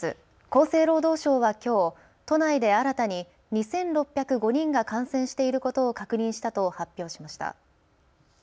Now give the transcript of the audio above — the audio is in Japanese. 厚生労働省はきょう都内で新たに２６０５人が感染していることを確認したと発表しました。